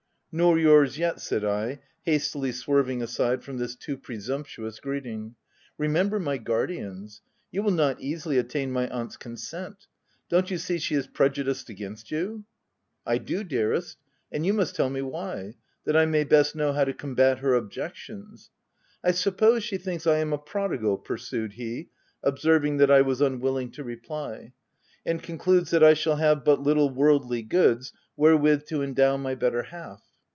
"Nor yours yet/' said I, hastily swerving OF WILDFELL HALL. 8 aside from this too presumptuous greeting — iC remember my guardians. You will not easily attain my jaunt's consent. Don't you see she is prejudiced against you ?" u I do, dearest ; and you must tell me why, that I may best know how to combat her ob jections. I suppose she thinks I am a prodigal/' pursued he, observing that I was unwilling to reply, " and concludes that I shall have but little worldly goods wherewith to endow my better half?